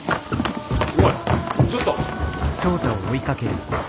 おいちょっと。